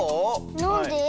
なんで？